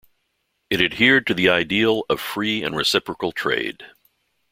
It adhered to the ideal of free and reciprocal trade.